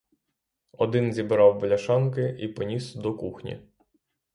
Один зібрав бляшанки і поніс до кухні.